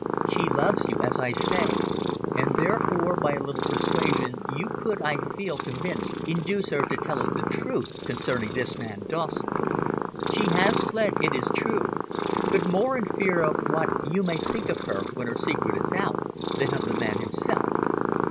"She loves you, as I say, and therefore, by a little persuasion you could, I feel convinced, induce her to tell us the truth concerning this man Dawson. She has fled, it is true, but more in fear of what you may think of her when her secret is out, than of the man himself.